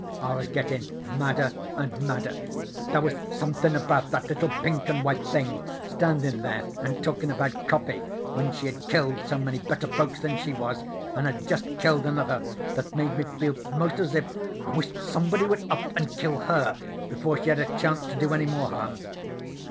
I was gettin' madder and madder. There was somethin' about that little pink and white thing standin' there and talkin' about coffee, when she had killed so many better folks than she was, and had jest killed another, that made me feel 'most as if I wished somebody would up and kill her before she had a chance to do any more harm.